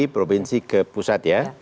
provinsi ke pusat ya